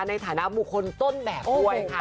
ในฐานะบุคคลต้นแบบด้วยค่ะ